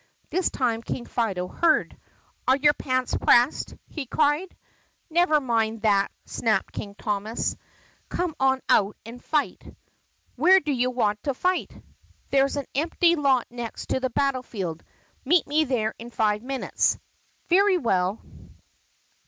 This time King Fido heard. "Are your pants pressed?" he cried. "Never mind that," snapped King Thomas. "Come on out and fight!" "Where do you want to fight?" "There 's an empty lot next to the battle field. Meet me there in five minutes." "Very well."